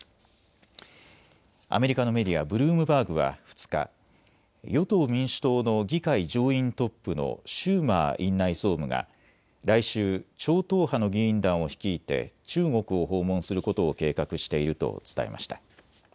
アメリカのメディア、ブルームバーグは２日、与党・民主党の議会上院トップのシューマー院内総務が来週、超党派の議員団を率いて中国を訪問することを計画していると伝えました。